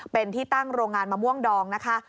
เป็นที่ตั้งโรงงานมะม่วงดองนะคะ